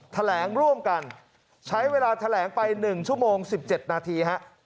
แถลงร่วมกันใช้เวลาแถลงไป๑ชั่วโมง๑๗นาทีฮะ